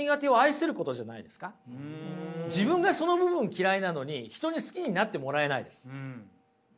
自分がその部分嫌いなのに人に好きになってもらえないです。